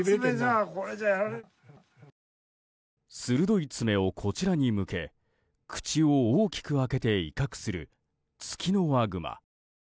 鋭い爪をこちらに向け口を大きく開けて威嚇するツキノワグマ。